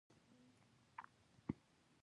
. ناڅاپه ډز شو، له تيږې وړه ټوټه بېله شوه.